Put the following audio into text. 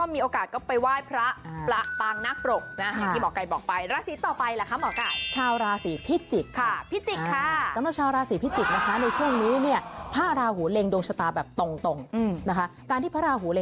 มีโอกาสก็ไปว่ายพระป